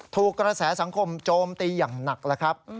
ถูกกระแสสังคมโจมตีอย่างหนักแล้วครับ